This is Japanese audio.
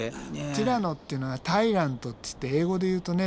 ティラノっていうのはタイラントっつって英語で言うとね